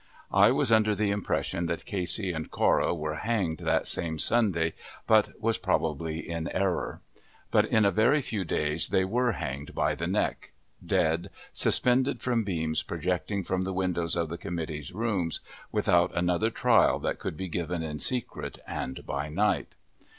I was under the impression that Casey and Cora were hanged that same Sunday, but was probably in error; but in a very few days they were hanged by the neck dead suspended from beams projecting from the windows of the committee's rooms, without other trial than could be given in secret, and by night.